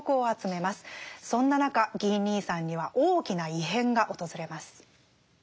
そんな中ギー兄さんには大きな異変が訪れます。